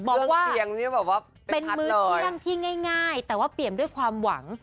บอกว่าเป็นมื้อที่นั่งที่ง่ายแต่ว่าเปลี่ยนด้วยความหวัง